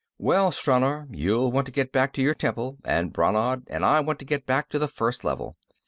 "Well, Stranor, you'll want to get back to your temple, and Brannad and I want to get back to the First Level.